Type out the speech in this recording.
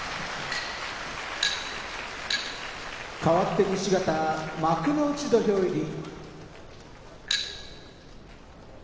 かわって西方幕内土俵入り。